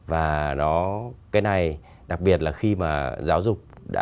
và cái này đặc biệt là khi mà giáo dục